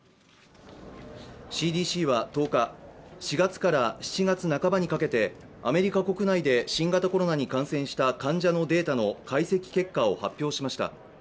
ＣＤＣは１０日、４月から７月半ばにかけてアメリカ国内で新型コロナに感染した患者のデータの解析結果を発表しました。